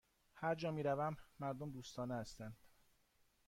هرجا می روم، مردم دوستانه هستند.